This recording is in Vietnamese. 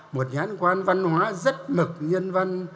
một nhãn quan văn hóa rất mực nhân văn